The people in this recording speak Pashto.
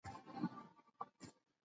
بهرنۍ پالیسي رښتینی استازیتوب کوي.